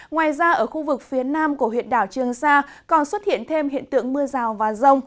ngoài ra ở khu vực phía nam của huyện đảo trường sa còn xuất hiện thêm hiện tượng mưa rào và rông